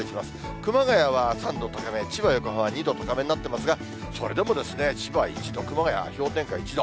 熊谷は３度高め、千葉、横浜、２度高めになってますが、それでも千葉１度、熊谷は氷点下１度。